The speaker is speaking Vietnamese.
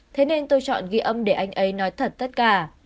thế nên tôi chọn ghi âm để anh ấy nói thật tất cả